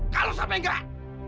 kalau sampai enggak